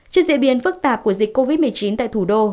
trước diễn biến phức tạp của dịch covid một mươi chín tại thủ đô